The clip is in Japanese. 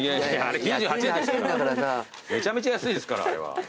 めちゃめちゃ安いですからあれは。